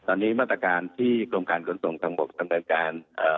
ตอนนี้มาตรการที่กรมการกลุ่มส่งทางบกต้องเป็นการ